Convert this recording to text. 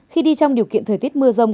khi đi trong điều kiện thời tiết mưa rông